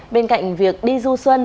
bên cạnh việc đi du xuân